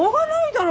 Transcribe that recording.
だろ